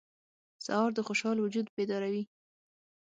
سهار د خوشحال وجود بیداروي.